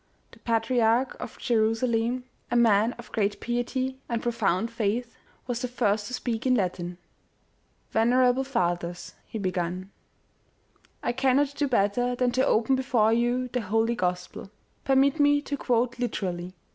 The patriarch of Jerusalem, a man of great piety and profound faith, was the first to speak in Latin. u Vener able fathers," he began, " I cannot do better than to open before you the Holy Gospel. Permit me to quote lit erally."